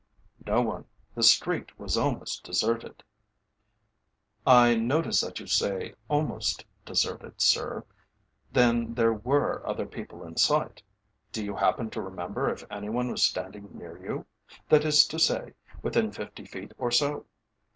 "No one, the street was almost deserted." "I notice that you say almost deserted, sir. Then there were other people in sight. Do you happen to remember if any one was standing near you that is to say, within fifty feet or so?"